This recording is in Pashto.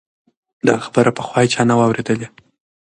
دا خبره پخوا هیچا نه وه اورېدلې.